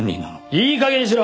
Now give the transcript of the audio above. いい加減にしろ！